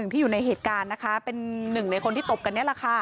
ที่อยู่ในเหตุการณ์นะคะเป็นหนึ่งในคนที่ตบกันนี่แหละค่ะ